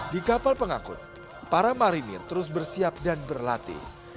di kapal pengangkut para marinir terus bersiap dan berlatih